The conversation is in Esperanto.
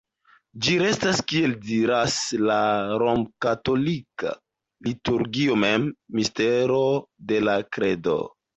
Ĝi restas, kiel diras la romkatolika liturgio mem, "mistero de la kredo".